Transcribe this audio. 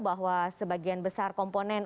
bahwa sebagian besar komponen